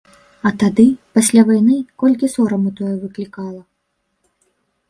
А тады, пасля вайны, колькі сораму тое выклікала.